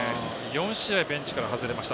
４試合ベンチから外れました。